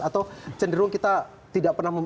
atau cenderung kita tidak pernah